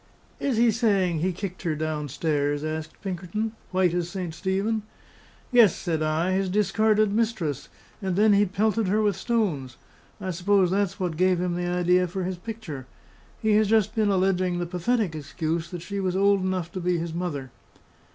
"Is he saying he kicked her down stairs?" asked Pinkerton, white as St. Stephen. "Yes," said I: "his discarded mistress; and then he pelted her with stones. I suppose that's what gave him the idea for his picture. He has just been alleging the pathetic excuse that she was old enough to be his mother."